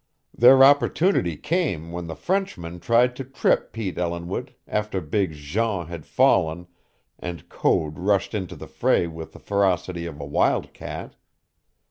Their opportunity came when the Frenchman tried to trip Pete Ellinwood after big Jean had fallen and Code rushed into the fray with the ferocity of a wildcat.